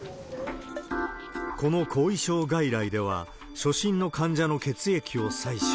この後遺症外来では、初診の患者の血液を採取。